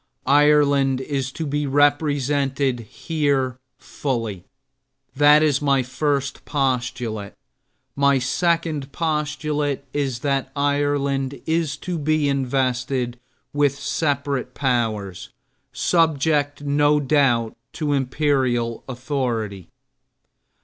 Ireland is to be represented here fully; that is my first postulate. My second postulate is that Ireland is to be invested with separate powers, subject, no doubt, to imperial authority.